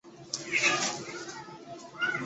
因此李镒完全无法得到有关日军的情报。